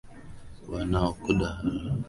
Wanaokudharau siku moja watakusalimia kwa heshima.